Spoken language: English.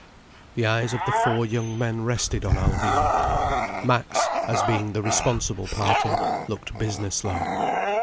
The eyes of the four young men rested on Alvina. Max, as being the responsible party, looked business like.